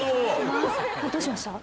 どうしました？